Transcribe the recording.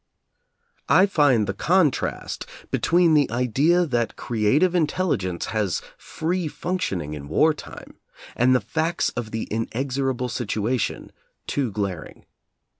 I find the contrast between the idea that creative intelligence has free functioning in wartime, and the facts of the inexorable situa tion, too glaring.